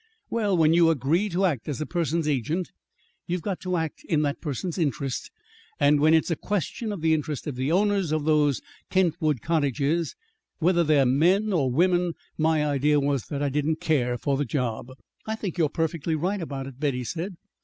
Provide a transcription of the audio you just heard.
"Well, when you agree to act as a person's agent, you've got to act in that person's interest; and when it's a question of the interest of the owners of those Kentwood cottages, whether they're men or women, my idea was that I didn't care for the job." "I think you're perfectly right about it," Betty said.